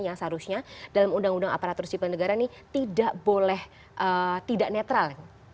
yang seharusnya dalam undang undang aparatur sipil negara ini tidak boleh tidak netral